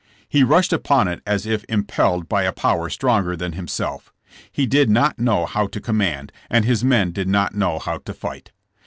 He rushed upon it as if im pelled by a power stronger than himself. He did not know how to command, and his men dfd not know how to fight.